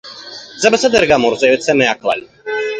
זה בסדר גמור, זה יוצא מהכלל